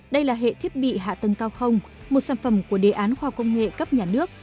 đây là hệ thiết bị hạ tầng cao không một sản phẩm của đề án khoa học công nghệ cấp nhà nước